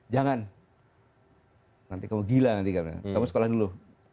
jangan nanti kamu gila nanti kamu sekolah dulu